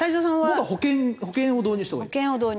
僕は保険を導入したほうがいい。